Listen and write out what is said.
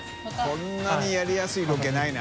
海鵑覆やりやすいロケないな。